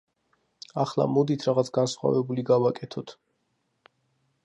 ახლა მოდით რაღაც განსხვავებული გავაკეთოთ.